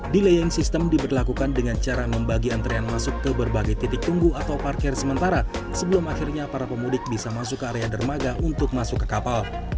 delaying system diberlakukan dengan cara membagi antrean masuk ke berbagai titik tunggu atau parkir sementara sebelum akhirnya para pemudik bisa masuk ke area dermaga untuk masuk ke kapal